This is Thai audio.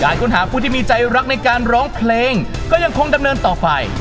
ค้นหาผู้ที่มีใจรักในการร้องเพลงก็ยังคงดำเนินต่อไป